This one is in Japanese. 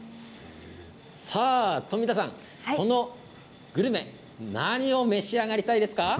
富田さん、このグルメ何を召し上がりたいですか？